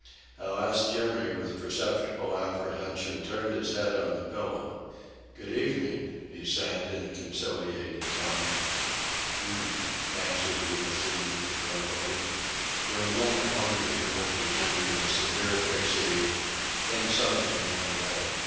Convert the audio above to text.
At last Jimmy with perceptible apprehension turned his head on the pillow. "Good evening," he said in a conciliating tone. "H'm," answered the old seaman, grumpily. For a moment longer he looked at Jimmy with severe fixity, then suddenly went away.